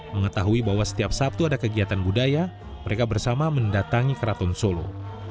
mengetahui bahwa setiap sabtu ada kegiatan budaya mereka bersama mendatangi keraton solo